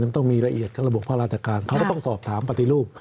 ยังต้องมีละเอียดกับระบุภาราศกาลเขาต้องสอบถามปฏิรูป